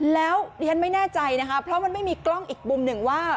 แล้วดิฉันไม่แน่ใจนะคะเพราะมันไม่มีกล้องอีกมุมหนึ่งว่า